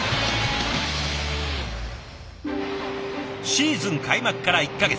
シーズン開幕から１か月。